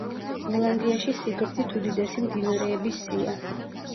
ირლანდიაში სიგრძით უდიდესი მდინარეების სია.